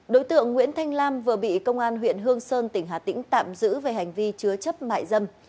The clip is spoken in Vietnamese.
đối tượng nguyễn thanh lam vừa bị công an huyện hương sơn tỉnh hà tĩnh tạm giữ về hành vi chứa chấp mại dâm